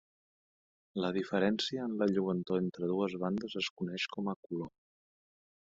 La diferència en la lluentor entre dues bandes es coneix com a color.